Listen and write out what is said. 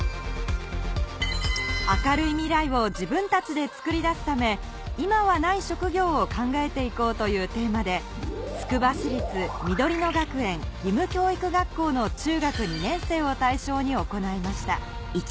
明るい未来を自分たちで作り出すため今はない職業を考えて行こうというテーマでつくば市立みどりの学園義務教育学校の中学２年生を対象に行いました